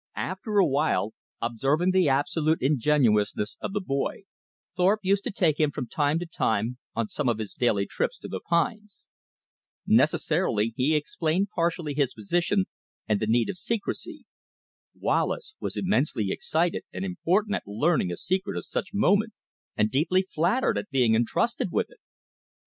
After a while, observing the absolute ingenuousness of the boy, Thorpe used to take him from time to time on some of his daily trips to the pines. Necessarily he explained partially his position and the need of secrecy. Wallace was immensely excited and important at learning a secret of such moment, and deeply flattered at being entrusted with it.